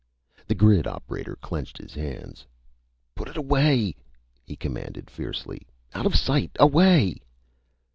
The grid operator clenched his hands. "Put it away!" he commanded fiercely. "Out of sight! Away!"